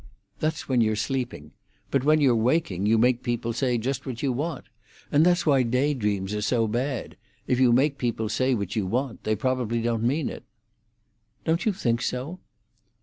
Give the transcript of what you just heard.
"That's when you're sleeping. But when you're waking, you make people say just what you want. And that's why day dreams are so bad. If you make people say what you want, they probably don't mean it." "Don't you think so?"